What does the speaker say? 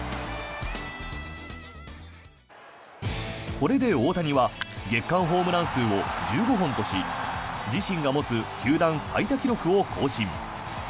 これで大谷は月間ホームラン数を１５本とし自身が持つ球団最多記録を更新。